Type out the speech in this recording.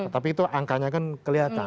tapi itu angkanya kan kelihatan